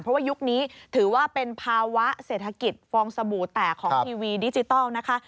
เพราะว่ายุคนี้ถือว่าเป็นภาวะเศรษฐกิจฟองสบู่แตกของทีวีดิจิทัลนะคะ